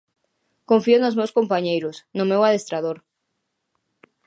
Confío nos meus compañeiros, no meu adestrador.